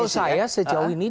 kalau saya sejauh ini